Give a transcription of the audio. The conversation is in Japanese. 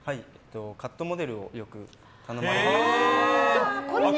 カットモデルをよく頼まれるんですけど。